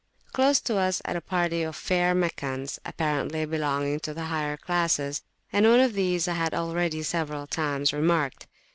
Close to us sat a party of fair Meccans, apparently belonging to the higher classes, and one of these I had already several times remarked.